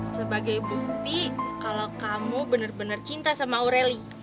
sebagai bukti kalau kamu bener bener cinta sama aureli